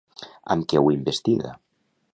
Amb què ho investiga?